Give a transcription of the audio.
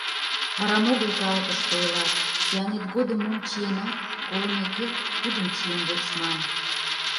Арам огыл калыкыште ойлат: «Сӱанет годым мом чиенат, колымекет, тудым чиен вочман».